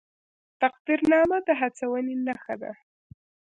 تقدیرنامه د هڅونې نښه ده